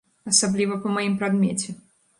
Асабліва па маім прадмеце.